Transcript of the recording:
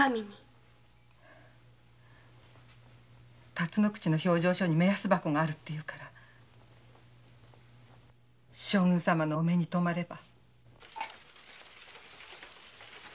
たつの口の評定所に目安箱があるって言うから将軍様のお目にとまれば。